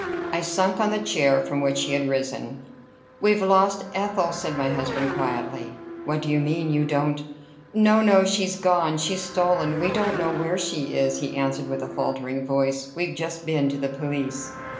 I sunk on the chair from which she had risen. "We've lost Ethel," said my husband quietly. "What do you mean? You don't" "No, no: she's gone; she's stolen. We don't know where she is," he answered with faltering voice. "We've just been to the police."